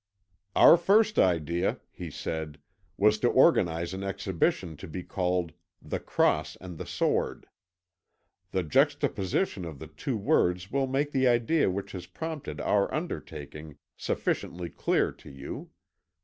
"Our first idea," he said, "was to organise an exhibition to be called 'The Cross and the Sword.' The juxtaposition of the two words will make the idea which has prompted our undertaking sufficiently clear to you.